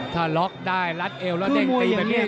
ถ้าล็อกได้รัดเอวแล้วเด้งตีแบบนี้